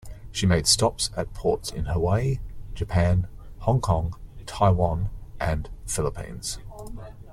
She made stops at ports in Hawaii, Japan, Hong Kong, Taiwan and Philippines.